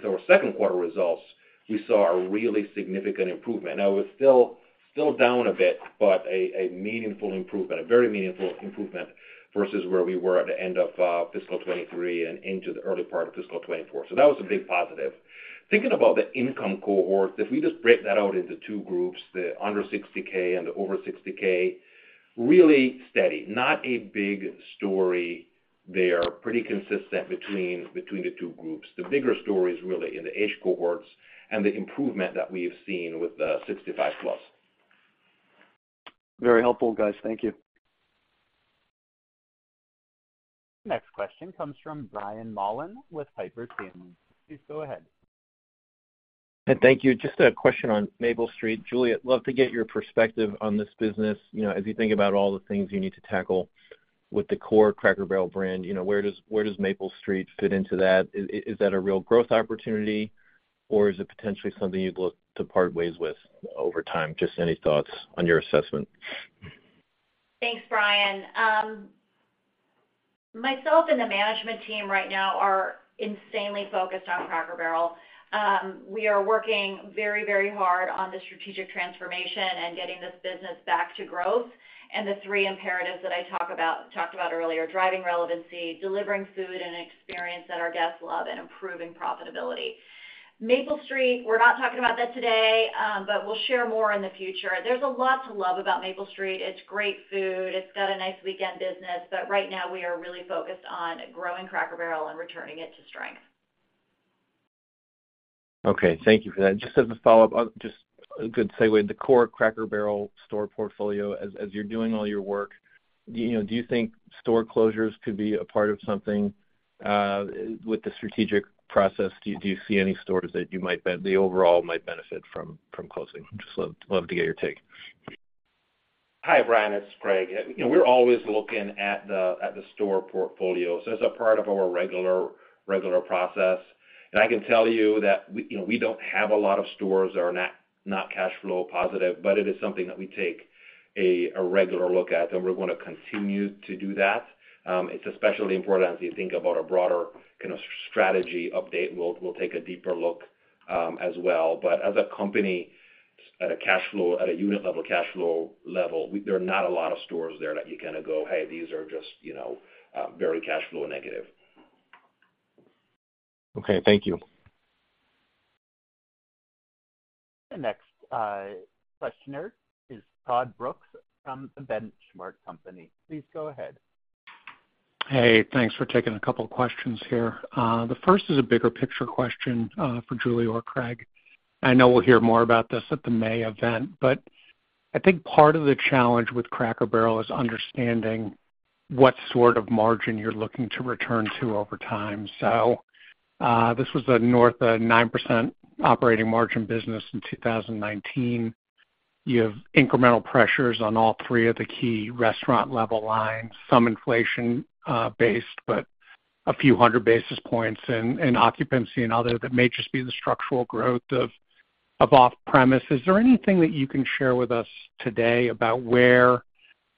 our second quarter results, we saw a really significant improvement. Now, it was still down a bit, but a meaningful improvement, a very meaningful improvement versus where we were at the end of fiscal 2023 and into the early part of fiscal 2024. So that was a big positive. Thinking about the income cohorts, if we just break that out into 2 groups, the under $60K and the over $60K, really steady, not a big story there, pretty consistent between the 2 groups. The bigger story is really in the age cohorts and the improvement that we've seen with the 65-plus. Very helpful, guys. Thank you. Next question comes from Brian Mullan with Piper Sandler. Please go ahead. Thank you. Just a question on Maple Street. Julie, I'd love to get your perspective on this business as you think about all the things you need to tackle with the core Cracker Barrel brand. Where does Maple Street fit into that? Is that a real growth opportunity, or is it potentially something you'd look to part ways with over time? Just any thoughts on your assessment? Thanks, Brian. Myself and the management team right now are insanely focused on Cracker Barrel. We are working very, very hard on the strategic transformation and getting this business back to growth and the 3 imperatives that I talked about earlier, driving relevancy, delivering food and experience that our guests love, and improving profitability. Maple Street, we're not talking about that today, but we'll share more in the future. There's a lot to love about Maple Street. It's great food. It's got a nice weekend business. But right now, we are really focused on growing Cracker Barrel and returning it to strength. Okay. Thank you for that. Just as a follow-up, just a good segue in the core Cracker Barrel store portfolio, as you're doing all your work, do you think store closures could be a part of something with the strategic process? Do you see any stores that the overall might benefit from closing? Just love to get your take. Hi, Brian. It's Craig. We're always looking at the store portfolio as a part of our regular process. And I can tell you that we don't have a lot of stores that are not cash flow positive, but it is something that we take a regular look at, and we're going to continue to do that. It's especially important as you think about a broader kind of strategy update. We'll take a deeper look as well. But as a company, at a cash flow, at a unit-level cash flow level, there are not a lot of stores there that you kind of go, "Hey, these are just very cash flow negative. Okay. Thank you. The next questioner is Todd Brooks from the Benchmark Company. Please go ahead. Hey. Thanks for taking a couple of questions here. The first is a bigger picture question for Julie or Craig. I know we'll hear more about this at the May event, but I think part of the challenge with Cracker Barrel is understanding what sort of margin you're looking to return to over time. So this was a north of 9% operating margin business in 2019. You have incremental pressures on all 3 of the key restaurant-level lines, some inflation-based but a few hundred basis points in occupancy and other that may just be the structural growth of off-premise. Is there anything that you can share with us today about where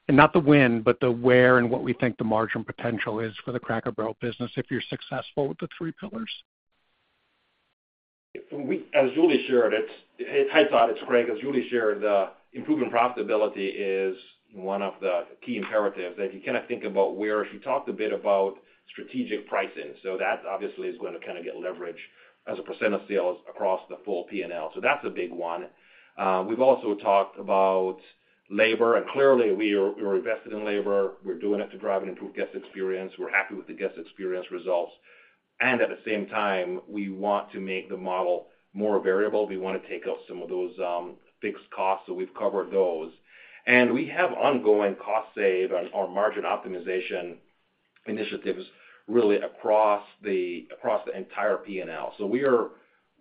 and not the when, but the where and what we think the margin potential is for the Cracker Barrel business if you're successful with the 3 pillars? As Julie shared, improving profitability is one of the key imperatives that you kind of think about where she talked a bit about strategic pricing. So that obviously is going to kind of get leverage as a percent of sales across the full P&L. So that's a big one. We've also talked about labor. And clearly, we're invested in labor. We're doing it to drive an improved guest experience. We're happy with the guest experience results. And at the same time, we want to make the model more variable. We want to take out some of those fixed costs. So we've covered those. And we have ongoing cost save and our margin optimization initiatives really across the entire P&L. So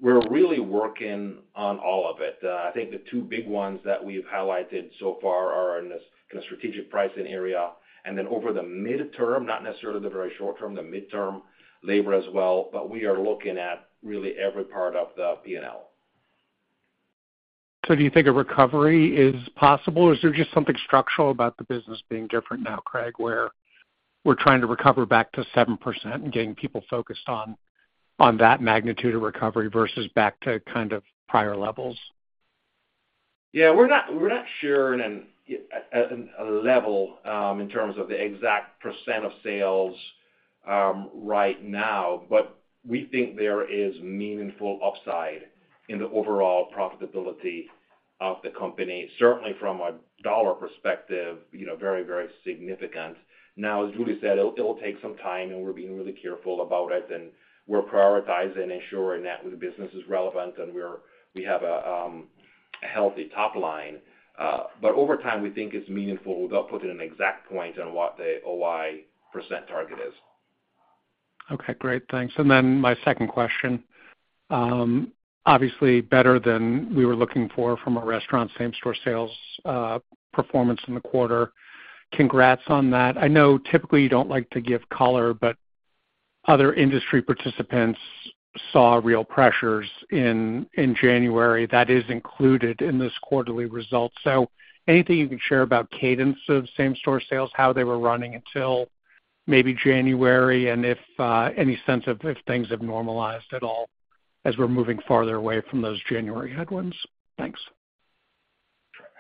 we're really working on all of it. I think the 2 big ones that we've highlighted so far are in this kind of strategic pricing area. And then over the midterm, not necessarily the very short term, the midterm labor as well. But we are looking at really every part of the P&L. Do you think a recovery is possible, or is there just something structural about the business being different now, Craig, where we're trying to recover back to 7% and getting people focused on that magnitude of recovery versus back to kind of prior levels? Yeah. We're not sure at a level in terms of the exact % of sales right now, but we think there is meaningful upside in the overall profitability of the company, certainly from a dollar perspective, very, very significant. Now, as Julie said, it'll take some time, and we're being really careful about it. And we're prioritizing and ensuring that the business is relevant, and we have a healthy top line. But over time, we think it's meaningful without putting an exact point on what the OI % target is. Okay. Great. Thanks. And then my second question. Obviously, better than we were looking for from a restaurant, same-store sales performance in the quarter. Congrats on that. I know typically, you don't like to give color, but other industry participants saw real pressures in January. That is included in this quarterly result. So anything you can share about cadence of same-store sales, how they were running until maybe January, and any sense of if things have normalized at all as we're moving farther away from those January headwinds? Thanks.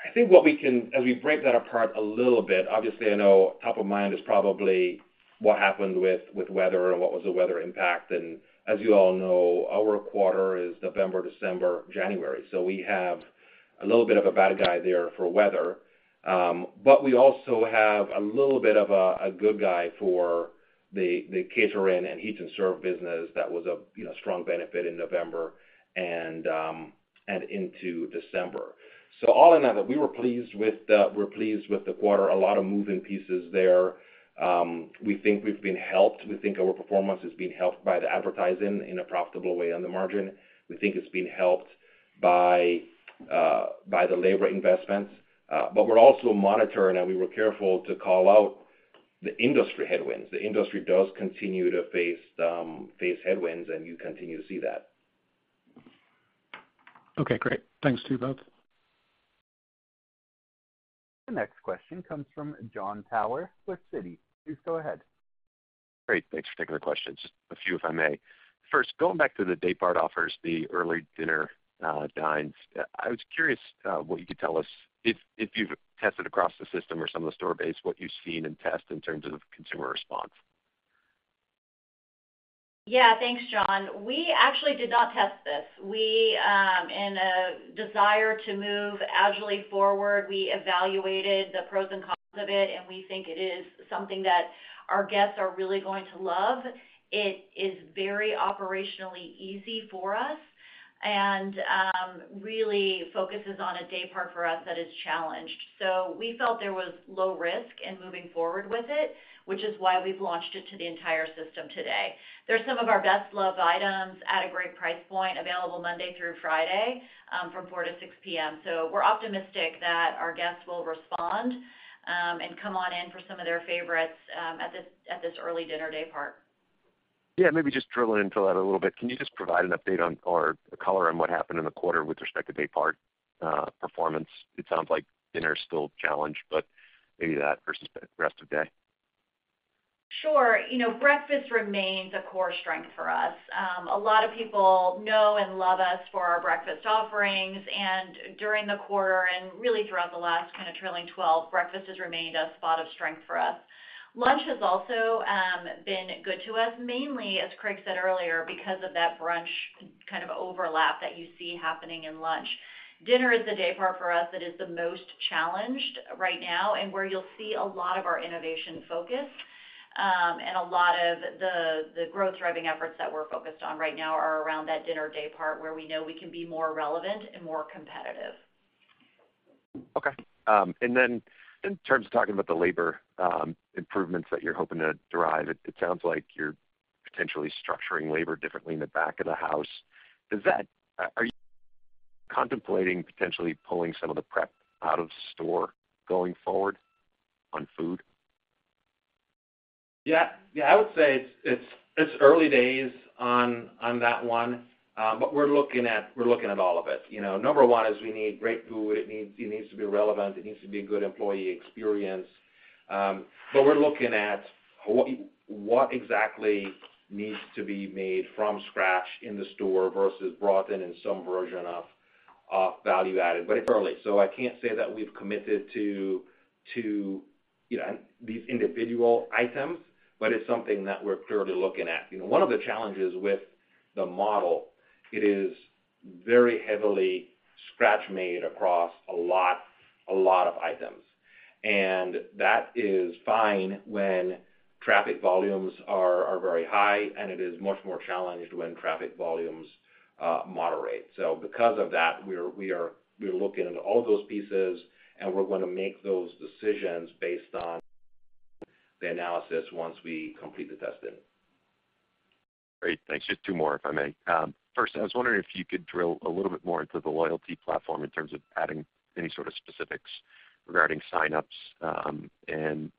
I think what we can as we break that apart a little bit, obviously, I know top of mind is probably what happened with weather and what was the weather impact. And as you all know, our quarter is November, December, January. So we have a little bit of a bad guy there for weather. But we also have a little bit of a good guy for the catering and Heat n' Serve sales business that was a strong benefit in November and into December. So all in all, we were pleased with the quarter. A lot of moving pieces there. We think we've been helped. We think our performance is being helped by the advertising in a profitable way on the margin. We think it's being helped by the labor investments. But we're also monitoring, and we were careful to call out the industry headwinds. The industry does continue to face headwinds, and you continue to see that. Okay. Great. Thanks to you both. The next question comes from John Tower with Citi. Please go ahead. Great. Thanks for taking the question. Just a few, if I may. First, going back to the Daypart offers, the early dinner dines, I was curious what you could tell us, if you've tested across the system or some of the store base, what you've seen and tested in terms of consumer response? Yeah. Thanks, John. We actually did not test this. In a desire to move agilely forward, we evaluated the pros and cons of it, and we think it is something that our guests are really going to love. It is very operationally easy for us and really focuses on a daypart for us that is challenged. So we felt there was low risk in moving forward with it, which is why we've launched it to the entire system today. There's some of our best-loved items at a great price point available Monday through Friday from 4:00 P.M. to 6:00 P.M. So we're optimistic that our guests will respond and come on in for some of their favorites at this early dinner daypart. Yeah. Maybe just drill into that a little bit. Can you just provide an update or a color on what happened in the quarter with respect to Daypart performance? It sounds like dinner is still a challenge, but maybe that versus the rest of day. Sure. Breakfast remains a core strength for us. A lot of people know and love us for our breakfast offerings. During the quarter and really throughout the last kind of trailing 12, breakfast has remained a spot of strength for us. Lunch has also been good to us, mainly, as Craig said earlier, because of that brunch kind of overlap that you see happening in lunch. Dinner is the Daypart for us that is the most challenged right now and where you'll see a lot of our innovation focus. A lot of the growth-driving efforts that we're focused on right now are around that dinner Daypart where we know we can be more relevant and more competitive. Okay. And then in terms of talking about the labor improvements that you're hoping to derive, it sounds like you're potentially structuring labor differently in the back of the house. Are you contemplating potentially pulling some of the prep out of store going forward on food? Yeah. Yeah. I would say it's early days on that one, but we're looking at all of it. Number one is we need great food. It needs to be relevant. It needs to be a good employee experience. But we're looking at what exactly needs to be made from scratch in the store versus brought in in some version of value added. Early. So I can't say that we've committed to these individual items, but it's something that we're clearly looking at. One of the challenges with the model, it is very heavily scratch-made across a lot of items. And that is fine when traffic volumes are very high, and it is much more challenged when traffic volumes moderate. So because of that, we're looking at all those pieces, and we're going to make those decisions based on the analysis once we complete the testing. Great. Thanks. Just two more, if I may. First, I was wondering if you could drill a little bit more into the loyalty platform in terms of adding any sort of specifics regarding sign-ups. I know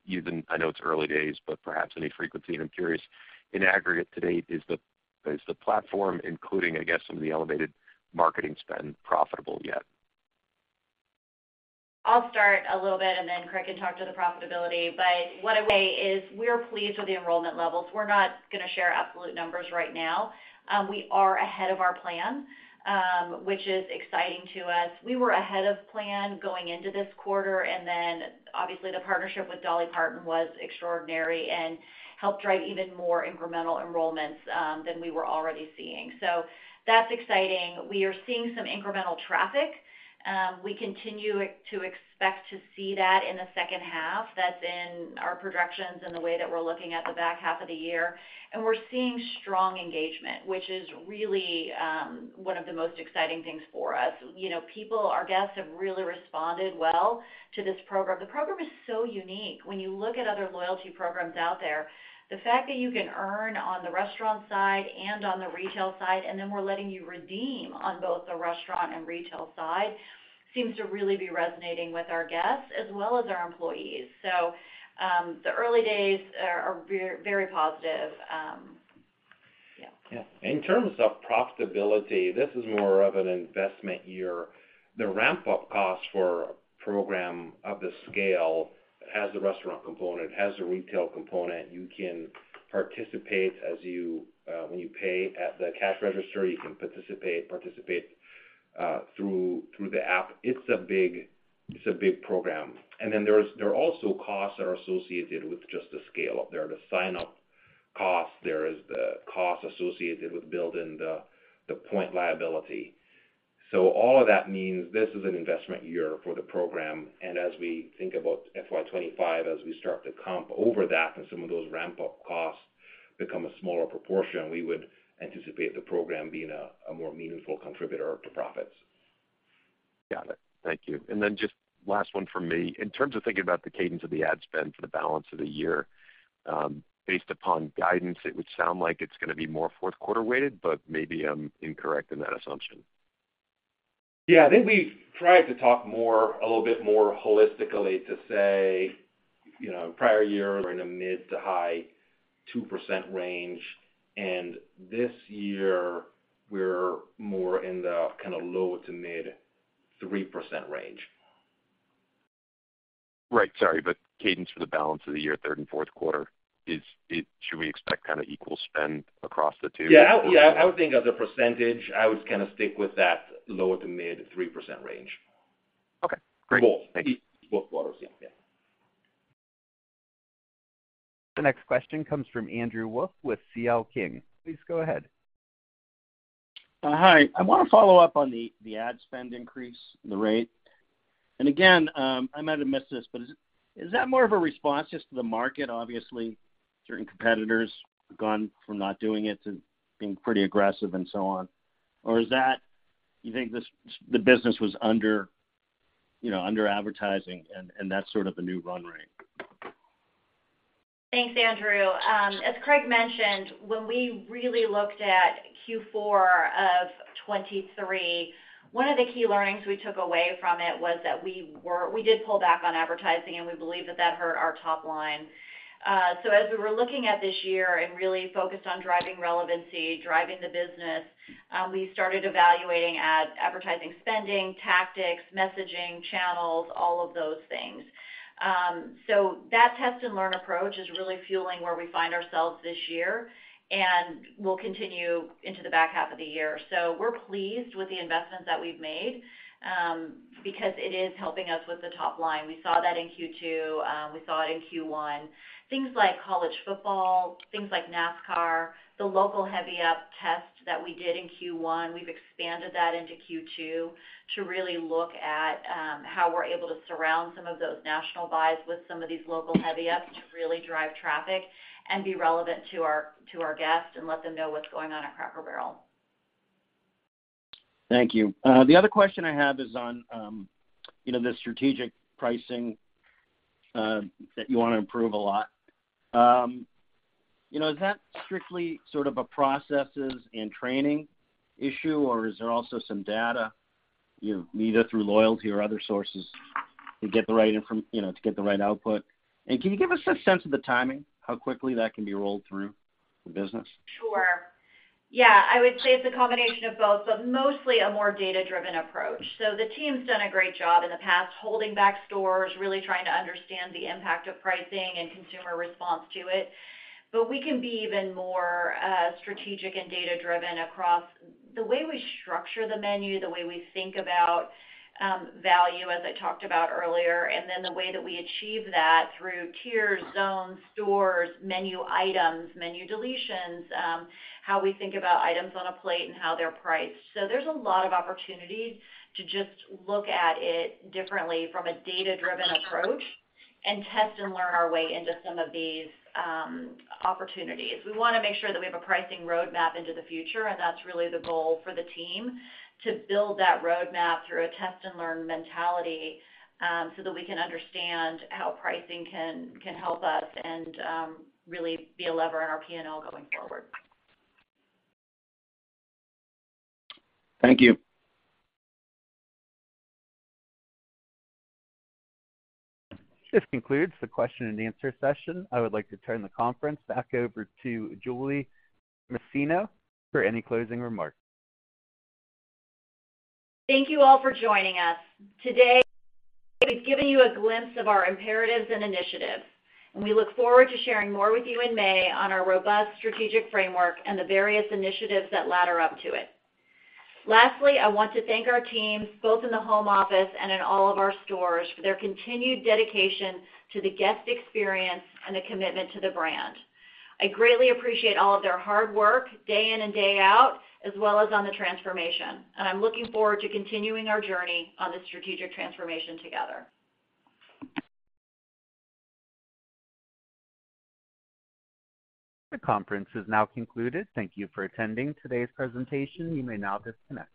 it's early days, but perhaps any frequency. I'm curious, in aggregate to date, is the platform, including, I guess, some of the elevated marketing spend, profitable yet? I'll start a little bit, and then Craig can talk to the profitability. But what I would say is we're pleased with the enrollment levels. We're not going to share absolute numbers right now. We are ahead of our plan, which is exciting to us. We were ahead of plan going into this quarter. And then obviously, the partnership with Dolly Parton was extraordinary and helped drive even more incremental enrollments than we were already seeing. So that's exciting. We are seeing some incremental traffic. We continue to expect to see that in the second half. That's in our projections and the way that we're looking at the back half of the year. And we're seeing strong engagement, which is really one of the most exciting things for us. Our guests have really responded well to this program. The program is so unique. When you look at other loyalty programs out there, the fact that you can earn on the restaurant side and on the retail side, and then we're letting you redeem on both the restaurant and retail side seems to really be resonating with our guests as well as our employees. So the early days are very positive. Yeah. Yeah. In terms of profitability, this is more of an investment year. The ramp-up cost for a program of this scale has the restaurant component. It has the retail component. You can participate when you pay at the cash register. You can participate through the app. It's a big program. And then there are also costs that are associated with just the scale up. There are the sign-up costs. There is the cost associated with building the point liability. So all of that means this is an investment year for the program. And as we think about FY25, as we start to comp over that and some of those ramp-up costs become a smaller proportion, we would anticipate the program being a more meaningful contributor to profits. Got it. Thank you. And then just last one from me. In terms of thinking about the cadence of the ad spend for the balance of the year, based upon guidance, it would sound like it's going to be more fourth-quarter weighted, but maybe I'm incorrect in that assumption. Yeah. I think we tried to talk a little bit more holistically to say prior year in a mid- to high-2% range. And this year, we're more in the kind of low- to mid-3% range. Right. Sorry. But cadence for the balance of the year, third and fourth quarter, should we expect kind of equal spend across the two? Yeah. Yeah. I would think as a percentage, I would kind of stick with that low to mid 3% range. Okay. Great. Thanks. Both quarters. Yeah. Yeah. The next question comes from Andrew Wolf with CL King. Please go ahead. Hi. I want to follow up on the ad spend increase, the rate. Again, I might have missed this, but is that more of a response just to the market? Obviously, certain competitors have gone from not doing it to being pretty aggressive and so on. Or do you think the business was under advertising, and that's sort of the new run rate? Thanks, Andrew. As Craig mentioned, when we really looked at Q4 of 2023, one of the key learnings we took away from it was that we did pull back on advertising, and we believe that that hurt our top line. So as we were looking at this year and really focused on driving relevancy, driving the business, we started evaluating advertising spending, tactics, messaging, channels, all of those things. So that test-and-learn approach is really fueling where we find ourselves this year and will continue into the back half of the year. So we're pleased with the investments that we've made because it is helping us with the top line. We saw that in Q2. We saw it in Q1. Things like college football, things like NASCAR, the local heavy-up test that we did in Q1, we've expanded that into Q2 to really look at how we're able to surround some of those national buys with some of these local heavy-ups to really drive traffic and be relevant to our guests and let them know what's going on at Cracker Barrel. Thank you. The other question I have is on the strategic pricing that you want to improve a lot. Is that strictly sort of a processes and training issue, or is there also some data, either through loyalty or other sources, to get the right output? And can you give us a sense of the timing, how quickly that can be rolled through the business? Sure. Yeah. I would say it's a combination of both, but mostly a more data-driven approach. So the team's done a great job in the past holding back stores, really trying to understand the impact of pricing and consumer response to it. But we can be even more strategic and data-driven across the way we structure the menu, the way we think about value, as I talked about earlier, and then the way that we achieve that through tiers, zones, stores, menu items, menu deletions, how we think about items on a plate, and how they're priced. So there's a lot of opportunities to just look at it differently from a data-driven approach and test and learn our way into some of these opportunities. We want to make sure that we have a pricing roadmap into the future, and that's really the goal for the team, to build that roadmap through a test-and-learn mentality so that we can understand how pricing can help us and really be a lever in our P&L going forward. Thank you. This concludes the question-and-answer session. I would like to turn the conference back over to Julie Masino for any closing remarks. Thank you all for joining us. Today, we've given you a glimpse of our imperatives and initiatives, and we look forward to sharing more with you in May on our robust strategic framework and the various initiatives that ladder up to it. Lastly, I want to thank our teams, both in the home office and in all of our stores, for their continued dedication to the guest experience and the commitment to the brand. I greatly appreciate all of their hard work day in and day out as well as on the transformation. I'm looking forward to continuing our journey on this strategic transformation together. The conference is now concluded. Thank you for attending today's presentation. You may now disconnect.